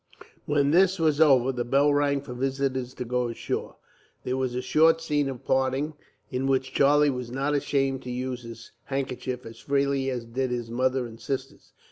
When this was over, the bell rang for visitors to go ashore. There was a short scene of parting, in which Charlie was not ashamed to use his handkerchief as freely as did his mother and sisters.